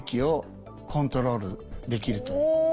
お。